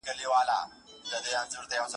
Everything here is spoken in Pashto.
خپل زاړۀ يار چې به بيا نمبر ملاو کړو